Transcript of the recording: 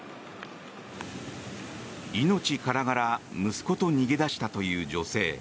命からがら息子と逃げ出したという女性。